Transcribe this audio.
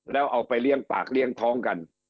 แล้วเอาไปเลี้ยงปากเลี้ยงท้องกัน